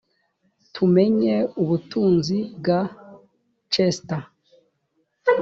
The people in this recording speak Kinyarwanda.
tumenye ubutunzi bwa chester